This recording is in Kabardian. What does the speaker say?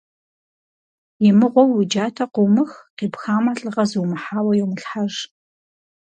И мыгъуэу уи джатэ къыумых, къипхамэ, лӀыгъэ зумыхьауэ йомылъхьэж.